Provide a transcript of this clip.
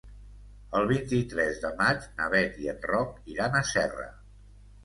El vint-i-tres de maig na Beth i en Roc iran a Serra.